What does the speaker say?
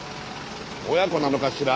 親子なのかしら？